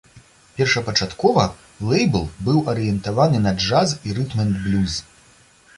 Першапачаткова лэйбл быў арыентаваны на джаз і рытм-энд-блюз.